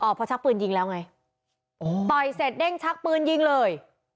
พอชักปืนยิงแล้วไงต่อยเสร็จเด้งชักปืนยิงเลย